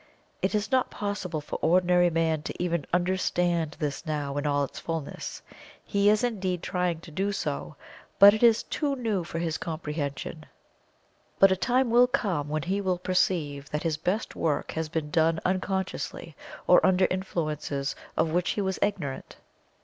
It is not possible for ordinary man to even understand this now in all its fullness. He is indeed trying to do so but it is too new for his comprehension. But a time will come when he will perceive that his best work has been done unconsciously, or under influences of which he was ignorant.